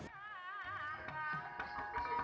hiburan rakyat ini sering menggiatkan